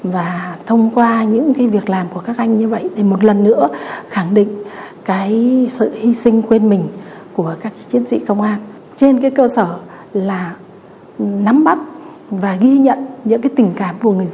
có mục tiêu để đáp lại những sự hy sinh thầm lặng